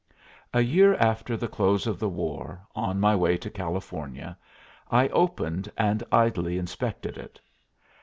A year after the close of the war, on my way to California, I opened and idly inspected it.